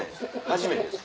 初めてです。